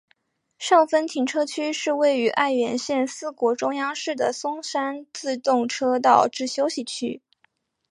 上分停车区是位于爱媛县四国中央市的松山自动车道之休息区。